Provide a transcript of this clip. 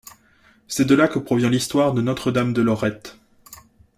C'est de là que provient l'histoire de Notre-Dame de Lorette.